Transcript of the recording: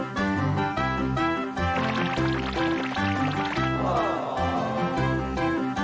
สวัสดีครับ